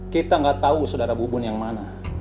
kita gak tahu saudara bu bun yang mana